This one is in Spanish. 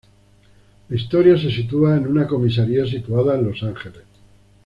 La historia se sitúa en una comisaría situada en Los Ángeles.